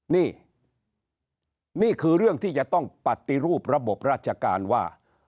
นี่นี่คือเรื่องที่จะต้องปฏิรูประบบราชการว่า